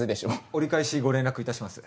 折り返しご連絡いたします。